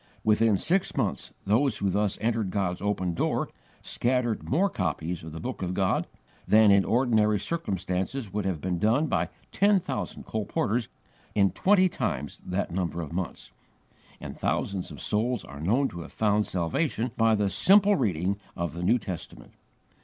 Within six months those who thus entered God's open door scattered more copies of the Book of God than in ordinary circumstances would have been done by ten thousand colporteurs in twenty times that number of months, and thousands of souls are known to have found salvation by the simple reading of the New Testament.